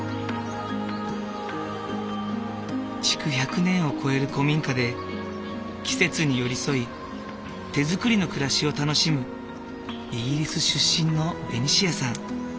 築１００年を超える古民家で季節に寄り添い手作りの暮らしを楽しむイギリス出身のベニシアさん。